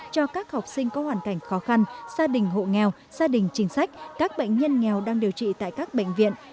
cho các học sinh có hoàn cảnh khó khăn gia đình hộ nghèo gia đình chính sách các bệnh nhân nghèo đang điều trị tại các bệnh viện